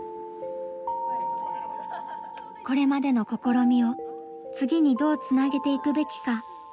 これまでの試みを次にどうつなげていくべきか？